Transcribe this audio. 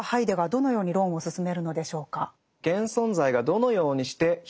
どのように論を進めるのでしょうか？